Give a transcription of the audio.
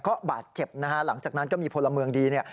ก็บาดเจ็บนะฮะหลังจากนั้นก็มีพลเมืองดีเนี่ย